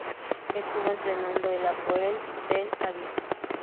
Estuvo entrenando al Hapoel Tel Aviv.